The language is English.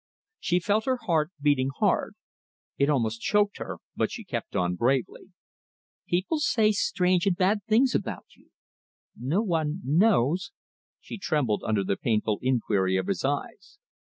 She felt her heart beating hard. It almost choked her, but she kept on bravely. "People say strange and bad things about you. No one knows" she trembled under the painful inquiry of his eyes.